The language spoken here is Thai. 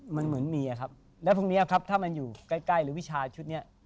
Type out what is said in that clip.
มันเหมือนเมียครับแล้วพรุ่งนี้ครับถ้ามันอยู่ใกล้หรือวิชาชุดนี้